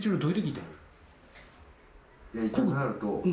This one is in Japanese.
いや、痛くなると。